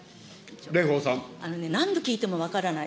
何度聞いても分からない。